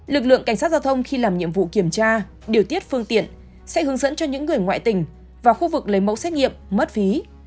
lực lượng cảnh sát giao thông khi làm nhiệm vụ kiểm tra điều tiết phương tiện sẽ hướng dẫn cho những người ngoại tỉnh vào khu vực lấy mẫu xét nghiệm mất phí